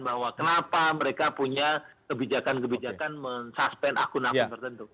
bahwa kenapa mereka punya kebijakan kebijakan men suspend akun akun tertentu